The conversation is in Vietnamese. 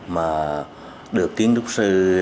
mà được kiến trúc sư